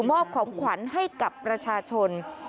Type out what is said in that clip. อบของขวัญให้กับประชาชน